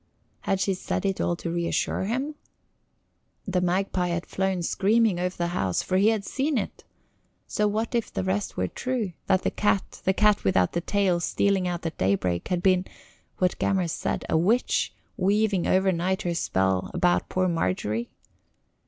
Had she said it all to reassure him? The magpie had flown screaming over the house for he had seen it. So what if the rest were true that the cat, the cat without the tail stealing out at daybreak, had been what Gammer said a witch, weaving overnight her spell about poor Margery?